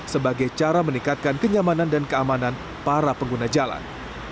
sebagai cara meningkatkan kenyamanan dan keamanan para pengguna jalan